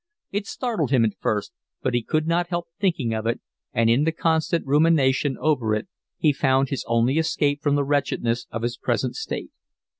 It startled him at first, but he could not help thinking of it, and in the constant rumination over it he found his only escape from the wretchedness of his present state.